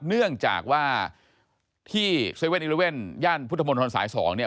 เนื่องจากว่าที่๗๑๑ย่านพุทธมนตรสาย๒เนี่ย